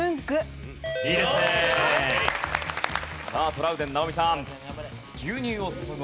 トラウデン直美さん。